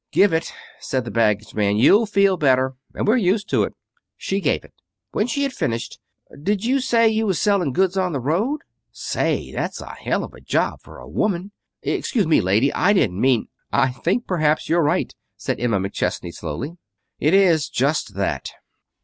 "Give it," said the baggage master. "You'll feel better. And we're used to it." She gave it. When she had finished: "Did you say you was selling goods on the road? Say, that's a hell of a job for a woman! Excuse me, lady. I didn't mean " "I think perhaps you're right," said Emma McChesney slowly. "It is just that."